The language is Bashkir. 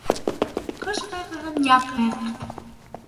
Ҡыш ҡайғыһын яҙ ҡайғырт.